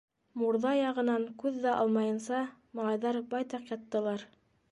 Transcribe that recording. Мурҙа яғынан күҙ ҙә алмайынса, малайҙар байтаҡ яттылар.